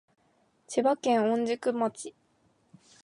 千葉県御宿町